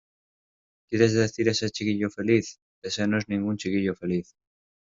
¿ Quieres decir ese chiquillo feliz? Ese no es ningún chiquillo feliz.